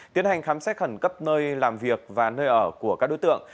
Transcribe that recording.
tiến hành khám xét khẩn cấp nơi làm việc và nơi ở của các đối tượng